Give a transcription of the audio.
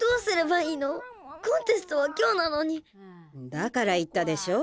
だから言ったでしょう？